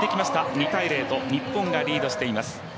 ２−０と日本がリードしています。